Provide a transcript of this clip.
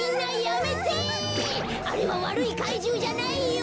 あれはわるいかいじゅうじゃないよ。